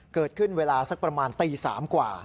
เกิดขึ้นเวลาสักประมาณตี๓กว่า